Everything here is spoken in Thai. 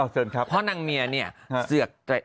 เพราะนางเมียเนี่ยเสือกใจ